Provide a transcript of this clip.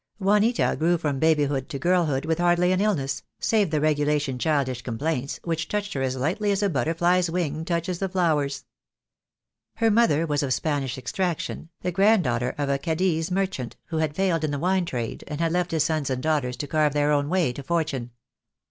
Juanita grew from babyhood to girlhood with hardly an illness, save the regulation childish complaints, which touched her as lightly as a butterfly's wing touches the flowers. Her mother was of Spanish extraction, the grand daughter of a Cadiz merchant, who had failed in the wine trade and had left his sons and daughters to carve THE DAY WILL COME. I I their own way to fortune.